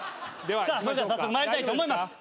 早速参りたいと思います。